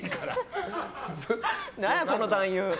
何やこの男優。